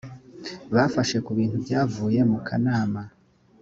bafashe ku bintu byavuye mu kanama